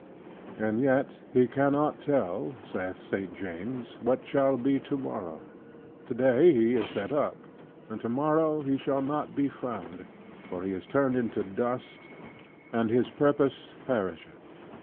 "And yet ye cannot tell (saith St. James) what shall be tomorrow. Today he is set up, and tomorrow he shall not be found; for he is turned into dust, and his purpose perisheth."